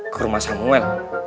ke rumah samuel